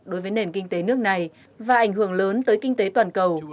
đối với nền kinh tế nước này và ảnh hưởng lớn tới kinh tế toàn cầu